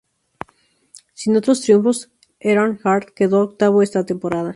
Sin otros triunfos, Earnhardt quedó octavo esa temporada.